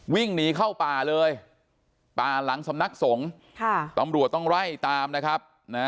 วิ่งหนีเข้าป่าเลยป่าหลังสำนักสงฆ์ตำรวจต้องไล่ตามนะครับ